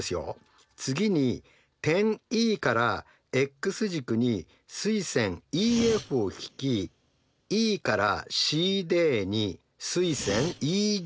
次に点Ｅからｘ軸に垂線ＥＦを引きＥからＣＤに垂線ＥＧを引きます。